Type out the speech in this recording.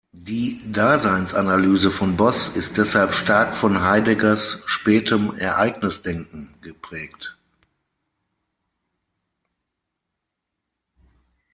Die Daseinsanalyse von Boss ist deshalb stark von Heideggers spätem Ereignis-Denken geprägt.